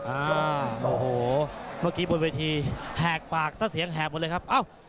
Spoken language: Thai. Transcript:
อ่าโอ้โหเมื่อกี้บนเวทีแหกปากซะเสียงแหกหมดเลยครับเอ้า